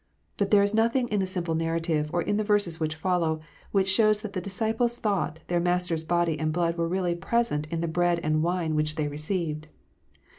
But there is nothing in the simple narrative, or in the verses which follow it, which shows that the disciples thought their Master s body and blood were really present in the bread and wine which they received.